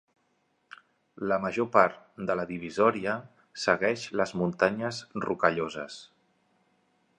La major part de la divisòria segueix les Muntanyes Rocalloses.